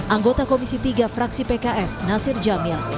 anggota komisi tiga fraksi pks nasir jamil